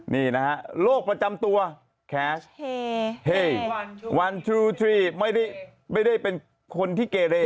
นี่นะฮะโรคประจำตัวแคสต์วันทรูทรีไม่ได้เป็นคนที่เกเร